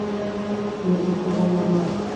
ঠিক বুঝতে পারলাম না।